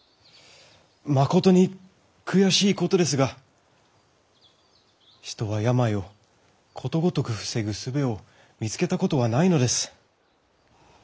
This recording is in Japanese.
まことに悔しいことですが人は病をことごとく防ぐ術を見つけたことはないのです。